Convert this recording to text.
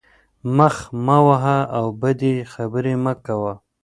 مخ مه وهه او بدې خبرې مه کوه.